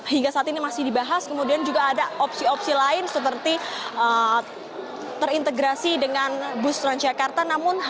hingga saat ini masih dibahas kemudian juga ada opsi opsi lain seperti terintegrasi dengan bus transjakarta